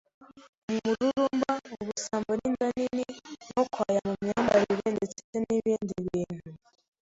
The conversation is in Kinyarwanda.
mu mururumba, ubusambo n’inda nini, no kwaya mu myambarire ndetse n’ibindi bintu.